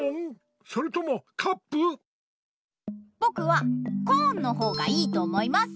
ぼくはコーンのほうがいいと思います。